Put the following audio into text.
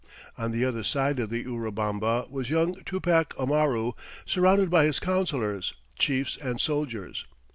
On the other side of the Urubamba was young Tupac Amaru, surrounded by his councilors, chiefs, and soldiers.